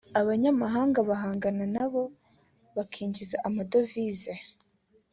abanyamahanga bahagana nabo bakinjiza amadovize